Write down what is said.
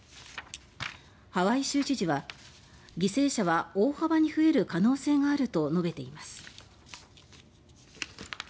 ハワイ州知事は犠牲者は大幅に増える可能性があると述べています。